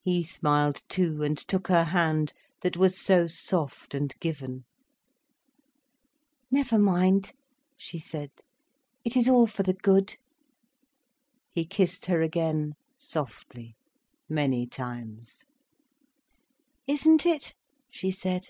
He smiled too, and took her hand, that was so soft and given. "Never mind," she said, "it is all for the good." He kissed her again, softly, many times. "Isn't it?" she said.